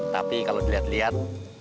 tapi kalau dilihat lihat